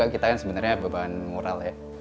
kita kan sebenarnya beban moral ya